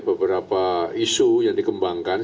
beberapa isu yang dikembangkan